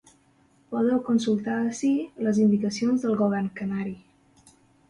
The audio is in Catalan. Podeu consultar ací les indicacions del govern canari.